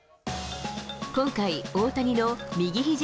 今回、大谷の右ひじ